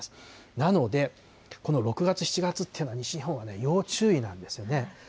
なので、この６月、７月というのは、西日本は要注意なんですよね。